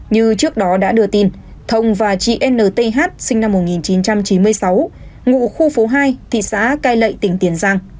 như trước đó đã đưa tin thông và chị nth sinh năm một nghìn chín trăm chín mươi sáu ngụ khu phố hai thị xã cai lậy tỉnh tiền giang